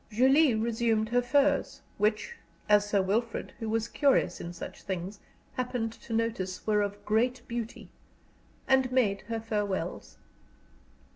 Julie resumed her furs, which, as Sir Wilfrid, who was curious in such things; happened to notice, were of great beauty, and made her farewells.